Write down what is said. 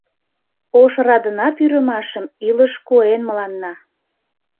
Ош радына-пӱрымашым Илыш куэн мыланна.